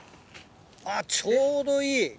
あっちょうどいい！